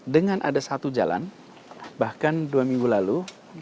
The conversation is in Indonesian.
dengan ada satu jalan bahkan dua minggu lalu